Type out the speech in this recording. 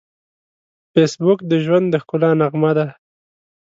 فېسبوک د ژوند د ښکلا نغمه ده